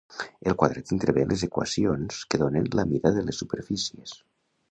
El quadrat intervé en les equacions que donen la mida de les superfícies.